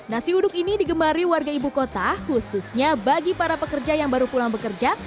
nasi uduk ini digemari warga ibu kota khususnya bagi para pekerja yang baru pulang bekerja